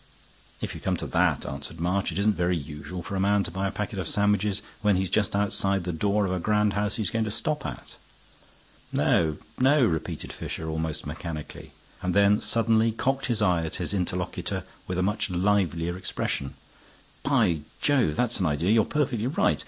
"If you come to that," answered March, "it isn't very usual for a man to buy a packet of sandwiches when he's just outside the door of a grand house he's going to stop at." "No ... no," repeated Fisher, almost mechanically; and then suddenly cocked his eye at his interlocutor with a much livelier expression. "By Jove! that's an idea. You're perfectly right.